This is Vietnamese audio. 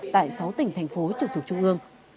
tại sáu tỉnh thành phố trực thuộc trung ương